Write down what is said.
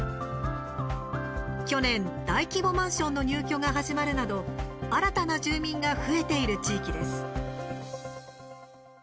去年、大規模マンションの入居が始まるなど新たな住民が増えている地域です。